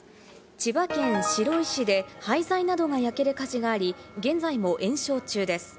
千葉県白井市で廃材などが焼ける火事があり、現在も延焼中です。